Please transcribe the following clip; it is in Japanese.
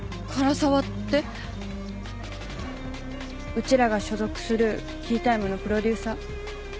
うちらが所属するＫＥＹＴＩＭＥのプロデューサー。